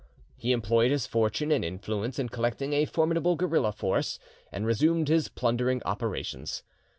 He employed his fortune and influence in collecting a formidable guerilla force, and resumed his plundering operations.